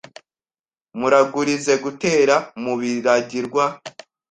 muragurize gutera mu Birangirwa